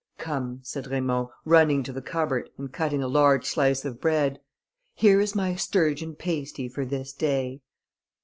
"Come," said Raymond, running to the cupboard, and cutting a large slice of bread, "here is my sturgeon pasty for this day."